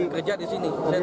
kerja di sini